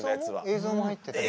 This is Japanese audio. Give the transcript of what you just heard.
映像も入ってたり。